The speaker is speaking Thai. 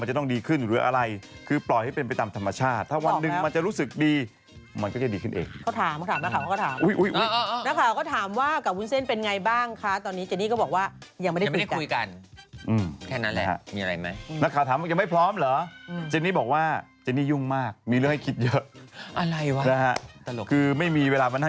พรุ่งนี้เจอกันครับสวัสดีครับ